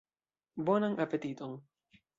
Bonan apetiton!